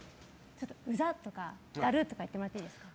ウザとかダルとか言ってもらっていいですか。